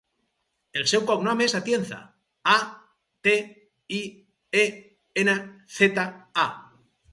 El seu cognom és Atienza: a, te, i, e, ena, zeta, a.